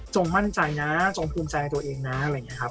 จงมั่นใจนะจงภูมิใจตัวเองนะ